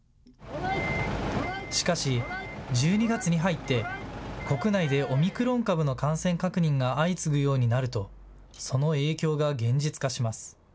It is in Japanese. しかし１２月に入って国内でオミクロン株の感染確認が相次ぐようになるとその影響が現実化します。